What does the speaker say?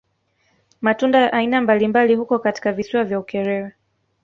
Matunda ya aina mabalimbali huko katika visiwa vya Ukerewe